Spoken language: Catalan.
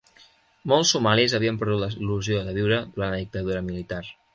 Molts somalis havien perdut la il·lusió de viure durant la dictadura militar.